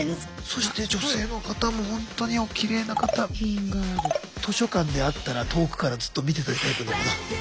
そして女性の方もほんとに図書館で会ったら遠くからずっと見てたいタイプの。